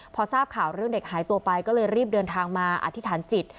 พอทราบข่าวเรื่องเด็กหายตัวไปก็เลยรีบเดินทางมาอธิษฐานจิต